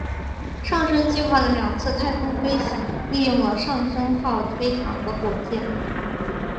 上升计划的两次太空飞行利用了上升号飞船和火箭。